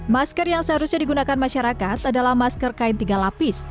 masker yang seharusnya digunakan masyarakat adalah masker kain tiga lapis